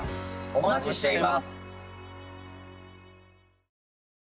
お待ちしています！